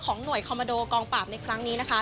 ของหน่วยคอมมอนโดกองบับในครั้งนี้นะคะ